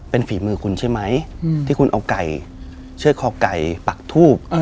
เป็นฝีมือคุณใช่ไหมที่คุณเอาไก่เชือกคอไก่ปักทูบ